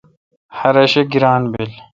ہر اؘ شہ گیران این۔